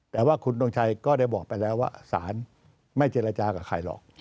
แต่ว่าคุณทงชัยก็ได้บอกไปแล้วว่าสารไม่เจรจากับใครหรอก